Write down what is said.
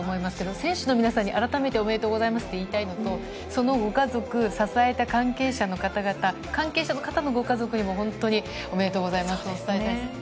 選手の皆さんにあらためておめでとうございますと言いたいのと、そのご家族、支えた関係者の方々、関係者の方のご家族にもおめでとうございますと伝えたいです。